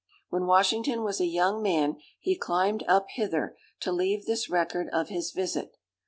When Washington was a young man, he climbed up hither, to leave this record of his visit.